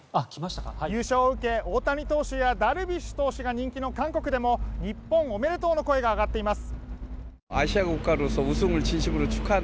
優勝を受け、大谷投手やダルビッシュ投手が人気の韓国でも日本おめでというの声が上がっています。